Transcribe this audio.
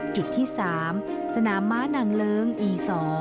จุดที่๓สนามม้านางเลิ้งอี๒